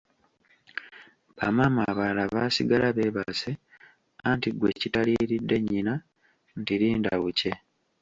Ba maama abalala baasigala beebase anti gwe kitaliiridde nnyina nti linda bukye.